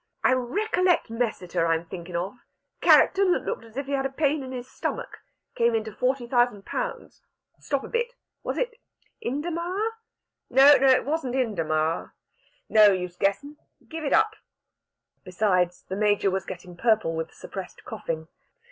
I recollect Messiter I'm thinkin' of character that looked as if he had a pain in his stomach came into forty thousand pounds. Stop a bit was it Indermaur? No, it wasn't Indermaur. No use guessin' give it up." Besides, the Major was getting purple with suppressed coughing.